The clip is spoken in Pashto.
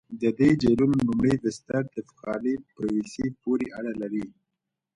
د دې جهیلونو لومړني بستر د یخچالي پروسې پورې اړه لري.